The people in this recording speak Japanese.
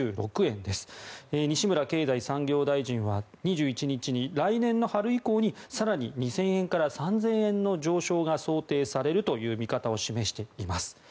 西村経済産業大臣は２１日に来年の春以降に更に２０００円から３０００円の上昇が想定されるという見方を示しています。